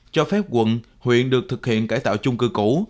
cho phép quận huyện được thực hiện cải tạo chung cư cũ